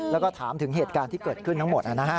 แล้วก็ถามถึงเหตุการณ์ที่เกิดขึ้นทั้งหมด